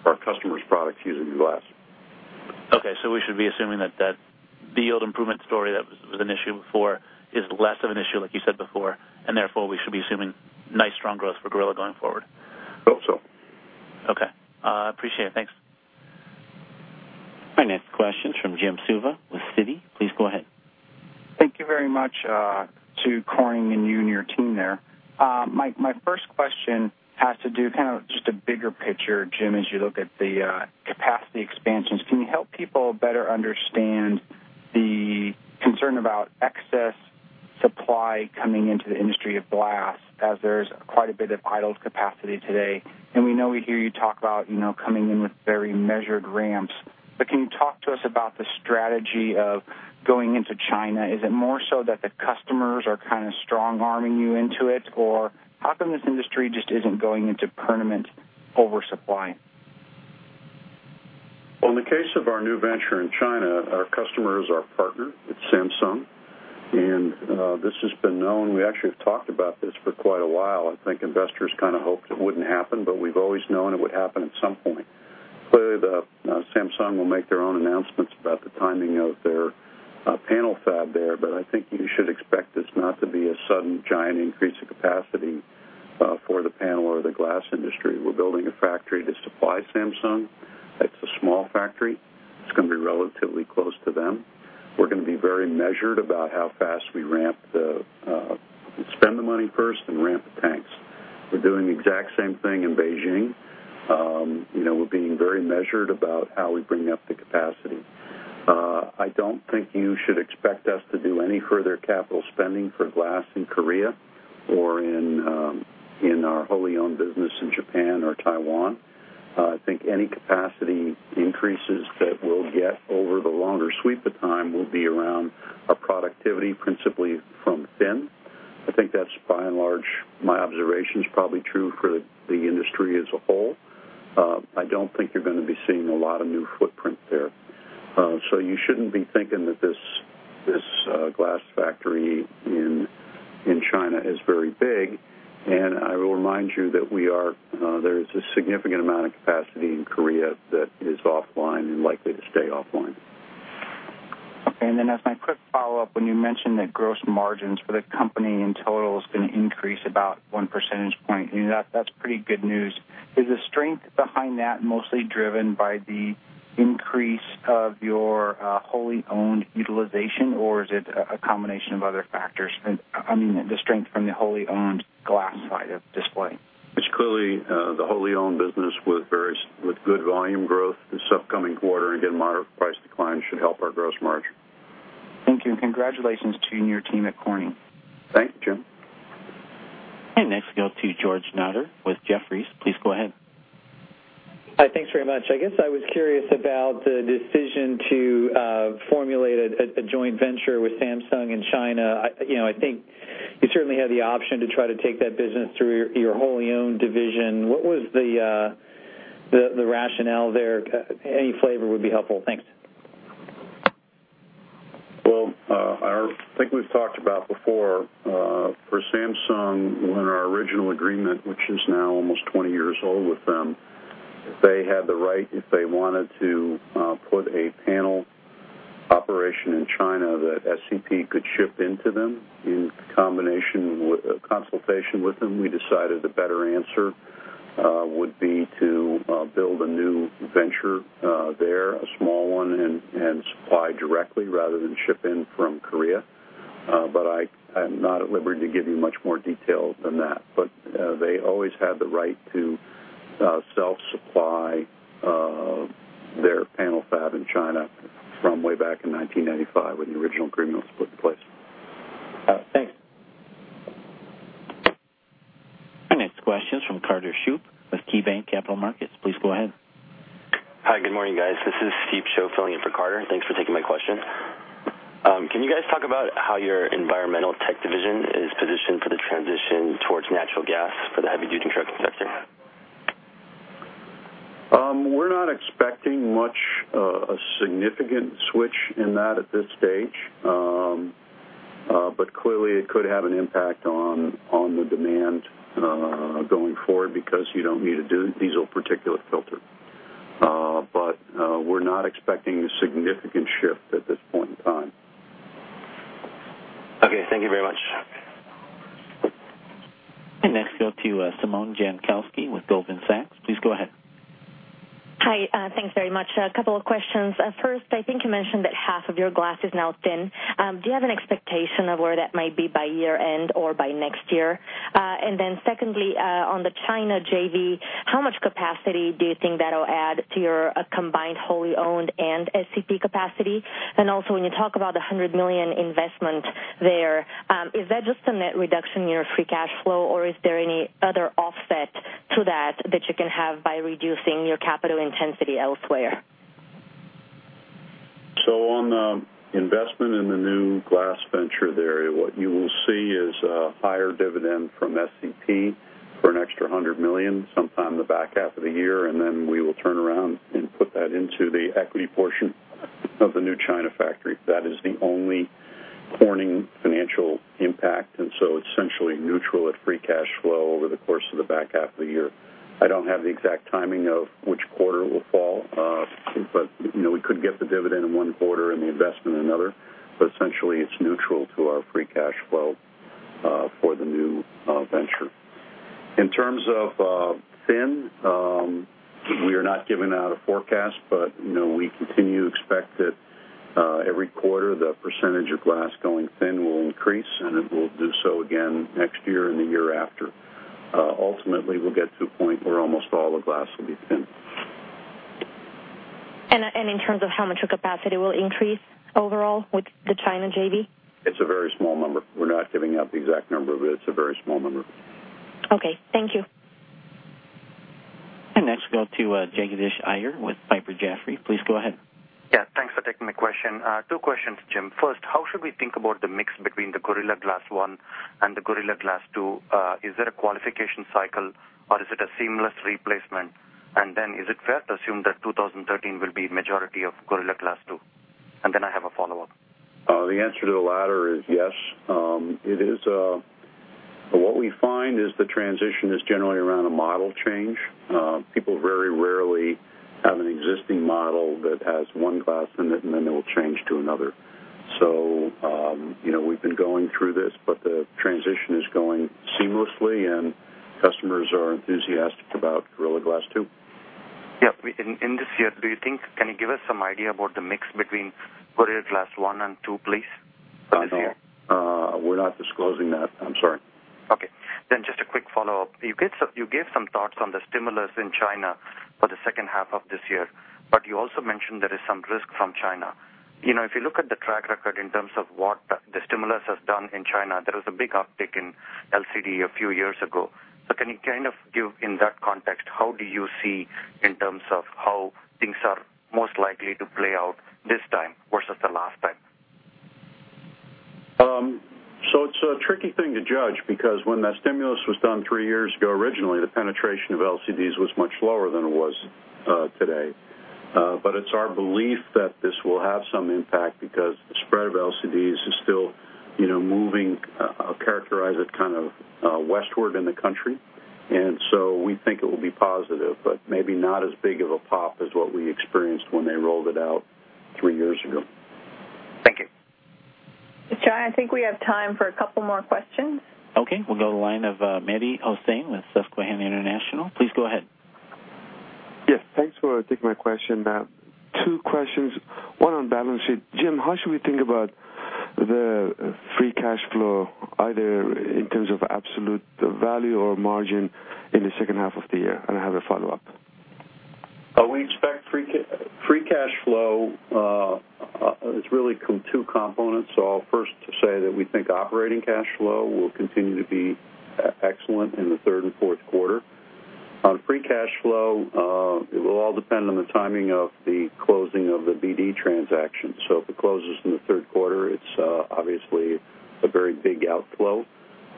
Our customers' products using glass. Okay. We should be assuming that the yield improvement story that was an issue before is less of an issue, like you said before, and therefore we should be assuming nice strong growth for Gorilla going forward. Hope so. Okay. Appreciate it. Thanks. My next question is from Jim Suva with Citi. Please go ahead. Thank you very much to Corning and you and your team there. My first question has to do kind of just a bigger picture, Jim. As you look at the capacity expansions, can you help people better understand the concern about excess supply coming into the industry of glass, as there's quite a bit of idled capacity today, and we know we hear you talk about coming in with very measured ramps. Can you talk to us about the strategy of going into China? Is it more so that the customers are kind of strong-arming you into it, or how come this industry just isn't going into permanent oversupply? Well, in the case of our new venture in China, our customer is our partner. It's Samsung. This has been known, we actually have talked about this for quite a while. I think investors kind of hoped it wouldn't happen, we've always known it would happen at some point. Clearly, Samsung will make their own announcements about the timing of their panel fab there. I think you should expect this not to be a sudden giant increase of capacity for the panel or the glass industry. We're building a factory to supply Samsung. It's a small factory. It's going to be relatively close to them. We're going to be very measured about how fast we ramp the Spend the money first, then ramp the tanks. We're doing the exact same thing in Beijing. We're being very measured about how we bring up the capacity. I don't think you should expect us to do any further capital spending for glass in Korea or in our wholly owned business in Japan or Taiwan. I think any capacity increases that we'll get over the longer sweep of time will be around our productivity, principally from thin I think that's by and large, my observation is probably true for the industry as a whole. I don't think you're going to be seeing a lot of new footprint there. You shouldn't be thinking that this glass factory in China is very big, and I will remind you that there is a significant amount of capacity in Korea that is offline and likely to stay offline. Okay. As my quick follow-up, when you mentioned that gross margins for the company in total is going to increase about one percentage point, that's pretty good news. Is the strength behind that mostly driven by the increase of your wholly owned utilization, or is it a combination of other factors? I mean, the strength from the wholly owned glass side of display. It's clearly the wholly owned business with good volume growth this upcoming quarter. Again, moderate price decline should help our gross margin. Thank you, and congratulations to you and your team at Corning. Thank you, Jim. Next we go to George Notter with Jefferies. Please go ahead. Hi. Thanks very much. I guess I was curious about the decision to formulate a joint venture with Samsung in China. I think you certainly had the option to try to take that business through your wholly owned division. What was the rationale there? Any flavor would be helpful. Thanks. I think we've talked about before, for Samsung, in our original agreement, which is now almost 20 years old with them, they had the right, if they wanted to, put a panel operation in China that SCP could ship into them. In consultation with them, we decided the better answer would be to build a new venture there, a small one, and supply directly rather than ship in from Korea. I'm not at liberty to give you much more detail than that. They always had the right to self-supply their panel fab in China from way back in 1995, when the original agreement was put in place. Thanks. Our next question is from Carter Shoop with KeyBanc Capital Markets. Please go ahead. Hi, good morning, guys. This is Steve Shoop filling in for Carter. Thanks for taking my question. Can you guys talk about how your environmental tech division is positioned for the transition towards natural gas for the heavy-duty truck sector? We're not expecting much of a significant switch in that at this stage. Clearly, it could have an impact on the demand going forward, because you don't need a diesel particulate filter. We're not expecting a significant shift at this point in time. Okay. Thank you very much. Next, we go to Simona Jankowski with Goldman Sachs. Please go ahead. Hi. Thanks very much. A couple of questions. First, I think you mentioned that half of your glass is now thin. Do you have an expectation of where that might be by year-end or by next year? Secondly, on the China JV, how much capacity do you think that'll add to your combined wholly owned and SCP capacity? Also, when you talk about the $100 million investment there, is that just a net reduction in your free cash flow, or is there any other offset to that you can have by reducing your capital intensity elsewhere? On the investment in the new glass venture there, what you will see is a higher dividend from SCP for an extra $100 million sometime in the back half of the year, and then we will turn around and put that into the equity portion of the new China factory. That is the only Corning financial impact, and so essentially neutral at free cash flow over the course of the back half of the year. I don't have the exact timing of which quarter it will fall, but we could get the dividend in one quarter and the investment in another. Essentially, it's neutral to our free cash flow for the new venture. In terms of thin, we are not giving out a forecast, we continue to expect that every quarter, the percentage of glass going thin will increase, it will do so again next year and the year after. Ultimately, we'll get to a point where almost all the glass will be thin. In terms of how much your capacity will increase overall with the China JV? It's a very small number. We're not giving out the exact number, it's a very small number. Okay. Thank you. Next, we go to Jagadish Iyer with Piper Jaffray. Please go ahead. Yeah, thanks for taking my question. Two questions, Jim. First, how should we think about the mix between the Gorilla Glass 1 and the Gorilla Glass 2? Is it a qualification cycle, or is it a seamless replacement? Is it fair to assume that 2013 will be majority of Gorilla Glass 2? I have a follow-up. The answer to the latter is yes. What we find is the transition is generally around a model change. People very rarely have an existing model that has one glass in it, they will change to another. We've been going through this, the transition is going seamlessly, and customers are enthusiastic about Gorilla Glass 2. Yeah. In this year, can you give us some idea about the mix between Gorilla Glass 1 and 2, please, this year? No. We're not disclosing that. I'm sorry. Okay. Just a quick follow-up. You gave some thoughts on the stimulus in China for the second half of this year, but you also mentioned there is some risk from China. If you look at the track record in terms of what the stimulus has done in China, there was a big uptick in LCD a few years ago. Can you kind of give, in that context, how do you see in terms of how things are most likely to play out this time? The last time. It's a tricky thing to judge because when that stimulus was done three years ago, originally, the penetration of LCDs was much lower than it was today. It's our belief that this will have some impact because the spread of LCDs is still moving, I'll characterize it, kind of westward in the country. We think it will be positive, but maybe not as big of a pop as what we experienced when they rolled it out three years ago. Thank you. John, I think we have time for a couple more questions. Okay. We'll go to the line of Mehdi Hosseini with Susquehanna International. Please go ahead. Yes, thanks for taking my question. Two questions, one on balance sheet. Jim, how should we think about the free cash flow, either in terms of absolute value or margin in the second half of the year? I have a follow-up. We expect free cash flow, it's really two components. I'll first say that we think operating cash flow will continue to be excellent in the third and fourth quarter. On free cash flow, it will all depend on the timing of the closing of the BD transaction. If it closes in the third quarter, it's obviously a very big outflow.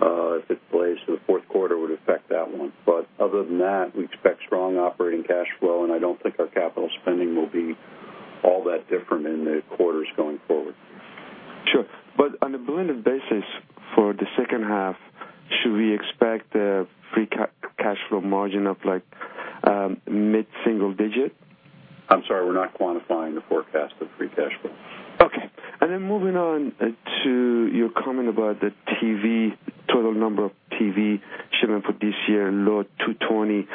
If it delays to the fourth quarter, it would affect that one. Other than that, we expect strong operating cash flow, and I don't think our capital spending will be all that different in the quarters going forward. Sure. On a blended basis for the second half, should we expect a free cash flow margin of mid-single digit? I'm sorry, we're not quantifying the forecast of free cash flow. Okay. Moving on to your comment about the total number of TV shipment for this year, lower at 220.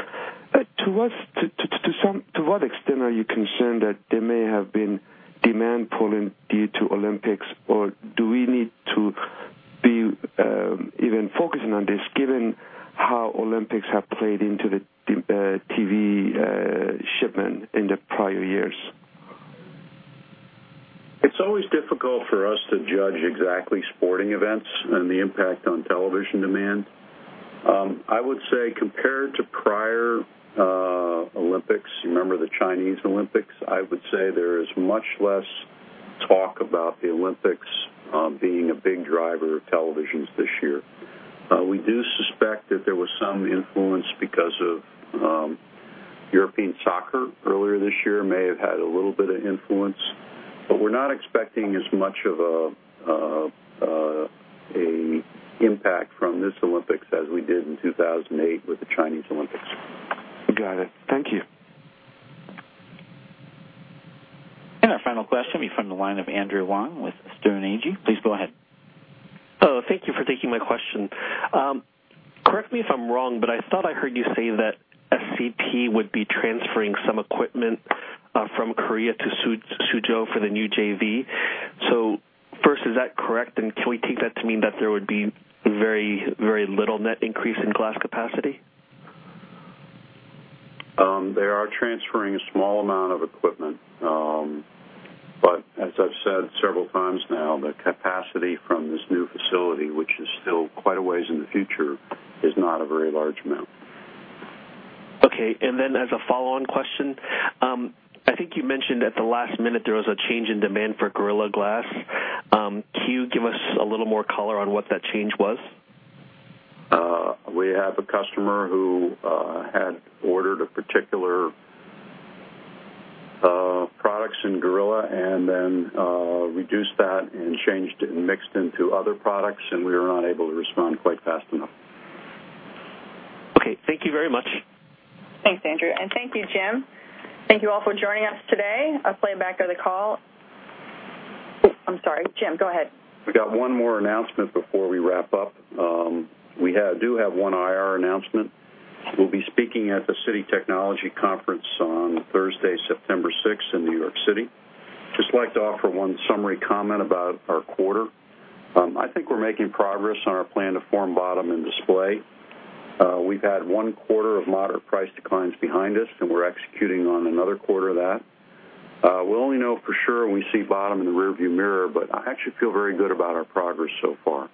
To what extent are you concerned that there may have been demand pulling due to Olympics, or do we need to be even focusing on this given how Olympics have played into the TV shipment in the prior years? It's always difficult for us to judge exactly sporting events and the impact on television demand. I would say compared to prior Olympics, you remember the Chinese Olympics, I would say there is much less talk about the Olympics being a big driver of televisions this year. We do suspect that there was some influence because of European soccer earlier this year, may have had a little bit of influence, but we're not expecting as much of an impact from this Olympics as we did in 2008 with the Chinese Olympics. Got it. Thank you. Our final question will be from the line of Andrew Huang with Sterne Agee. Please go ahead. Thank you for taking my question. Correct me if I'm wrong, but I thought I heard you say that SCP would be transferring some equipment from Korea to Suzhou for the new JV. First, is that correct? Can we take that to mean that there would be very little net increase in glass capacity? They are transferring a small amount of equipment. As I've said several times now, the capacity from this new facility, which is still quite a ways in the future, is not a very large amount. Okay, as a follow-on question, I think you mentioned at the last minute there was a change in demand for Gorilla Glass. Can you give us a little more color on what that change was? We have a customer who had ordered particular products in Gorilla and then reduced that and changed it and mixed into other products, and we were not able to respond quite fast enough. Okay. Thank you very much. Thanks, Andrew. Thank you, Jim. Thank you all for joining us today. A playback of the call Oh, I'm sorry, Jim, go ahead. We got one more announcement before we wrap up. We do have one IR announcement. We'll be speaking at the Citi Technology Conference on Thursday, September 6th in New York City. Just like to offer one summary comment about our quarter. I think we're making progress on our plan to form bottom in Display. We've had one quarter of moderate price declines behind us, and we're executing on another quarter of that. We'll only know for sure when we see bottom in the rear view mirror, but I actually feel very good about our progress so far.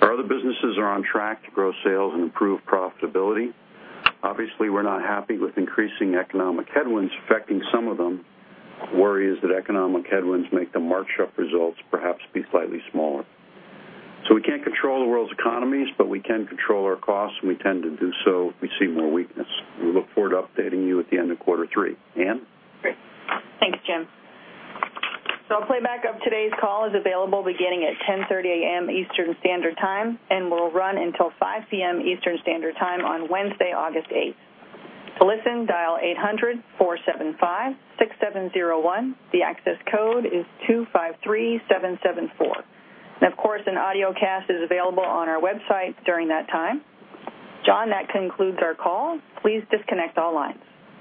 Our other businesses are on track to grow sales and improve profitability. Obviously, we're not happy with increasing economic headwinds affecting some of them. Worry is that economic headwinds make the March up results perhaps be slightly smaller. We can't control the world's economies, but we can control our costs, and we tend to do so if we see more weakness. We look forward to updating you at the end of quarter three. Ann? Great. Thanks, Jim. A playback of today's call is available beginning at 10:30 A.M. Eastern Standard Time and will run until 5:00 P.M. Eastern Standard Time on Wednesday, August 8th. To listen, dial 800-475-6701. The access code is 253774. Of course, an audio cast is available on our website during that time. John, that concludes our call. Please disconnect all lines.